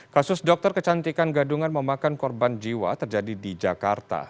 kasus dokter kecantikan gadungan memakan korban jiwa terjadi di jakarta